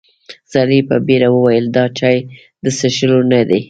سړي په بيړه وويل: دا چای د څښلو نه دی.